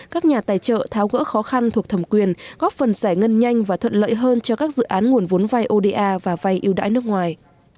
các nhà tài trợ tháo gỡ khó khăn thuộc thẩm quyền góp phần giải ngân nhanh và thuận lợi hơn cho các dự án nguồn vốn vai oda và vay ưu đãi nước ngoài